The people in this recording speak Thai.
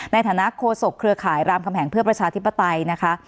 ในฐานะโคศกเครือข่ายรามคำแหงเพื่อประชาธิปไตยนะคะ